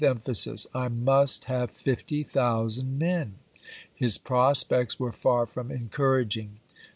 emphasis :" I must have fifty thousand men." His prospects were far from encouraging.